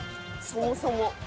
そもそも。